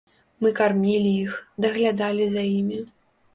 Мы кармілі іх, даглядалі за імі.